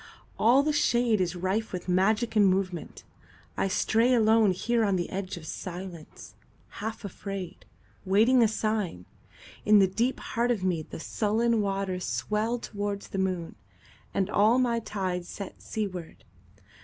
All the shadeIs rife with magic and movement. I stray aloneHere on the edge of silence, half afraid, Waiting a sign. In the deep heart of meThe sullen waters swell towards the moon, And all my tides set seaward.